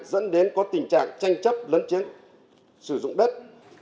dẫn đến có tình trạng tranh chấp lấn chiếm sử dụng đất